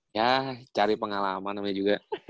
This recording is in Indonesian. yah cari pengalaman namanya juga